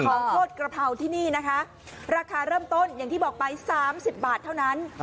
โคตรกระเพราที่นี่นะคะราคาเริ่มต้นอย่างที่บอกไป๓๐บาทเท่านั้น